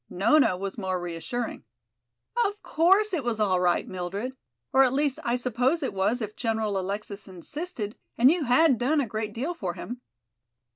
Nona was more reassuring. "Of course it was all right, Mildred, or at least I suppose it was if General Alexis insisted, and you had done a great deal for him."